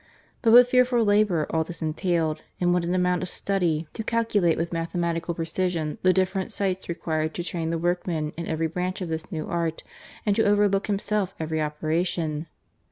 But what fearful labour all this entailed, and what an amount of study to calculate with mathematical precision the different sights required, to train the workmen in every branch of this new art and to» overlook himself every operation